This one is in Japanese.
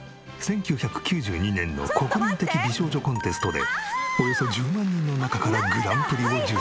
１９９２年の国民的美少女コンテストでおよそ１０万人の中からグランプリを受賞。